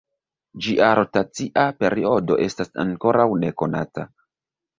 Ĝia rotacia periodo estas ankoraŭ nekonata.